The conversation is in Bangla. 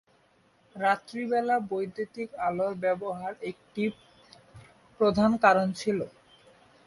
রাত্রিবেলায় বৈদ্যুতিক আলোর ব্যবহার একটি প্রধান কারণ ছিল।